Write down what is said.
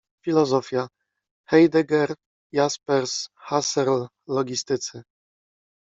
Filozofia: Heidegger, Jaspers, Husserl, logistycy.